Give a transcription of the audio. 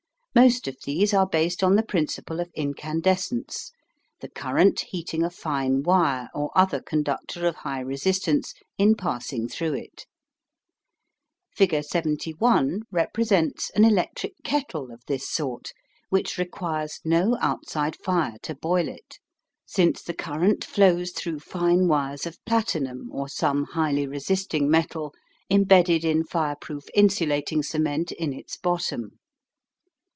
Most of these are based on the principle of incandescence, the current heating a fine wire or other conductor of high resistance in passing through it. Figure 71 represents an electric kettle of this sort, which requires no outside fire to boil it, since the current flows through fine wires of platinum or some highly resisting metal embedded in fireproof insulating cement in its bottom.